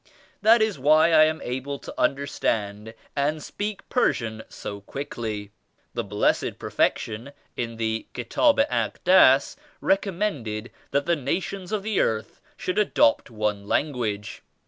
That is why I am able to understand and speak Persian so quickly. The Blessed Perfection in the Kitab el Akdas recom mended that the nations of the earth should adopt one language.